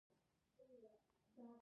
ژبې د افغانستان یو لوی طبعي ثروت دی.